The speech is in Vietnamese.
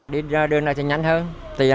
giai đoạn ba làn xe